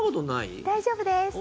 大丈夫です。